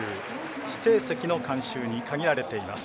指定席の観衆に限られています